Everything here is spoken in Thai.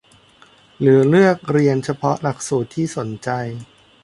หรือเลือกเรียนเฉพาะหลักสูตรที่สนใจ